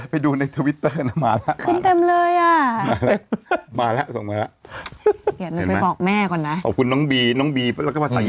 ไม่น่าสิเคยมาสัมภาษณ์จะหัวไว้บอกว่า